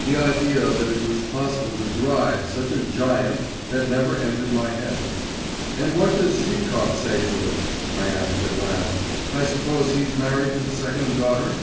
The idea that it was possible to drive such a giant had never entered my head. 'And what does Zhitkov say to it?' I asked at last. 'I suppose he's married to the second daughter?